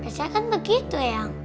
mirza kan begitu eyang